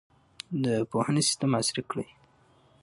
د پوهنې سیستم عصري کړئ.